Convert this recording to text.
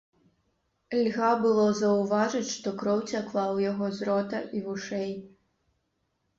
Льга было заўважыць, што кроў цякла ў яго з рота і вушэй.